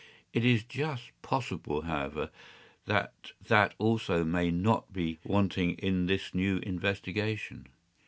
It is just possible, however, that that also may not be wanting in this new investigation.